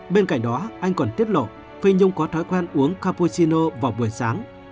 bên cạnh đó anh còn tiết lộ phi nhung có thói quen uống caposino vào buổi sáng